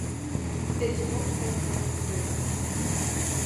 C'est une haute prêtresse de Lolth.